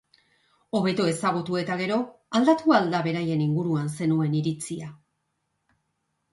Hobeto ezagutu eta gero, aldatu al da beraien inguruan zenuen iritzia?